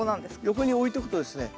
横に置いとくとですね